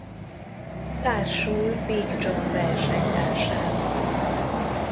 Társul Big John versenytársával.